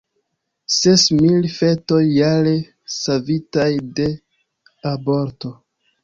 Ses mil fetoj jare savitaj de aborto.